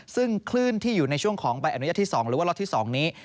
ซึ่งคลื่นที่อยู่ในช่วงของใบอนุญาตที่๒หรือว่าล็อตที่๒นี้